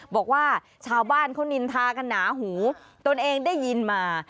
บอกว่าชาวบ้านเขานินทากันหนาหูตนเองได้ยินมา